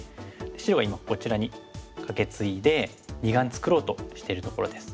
白が今こちらにカケツイで二眼作ろうとしてるところです。